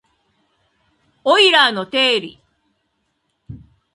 オイラーの定理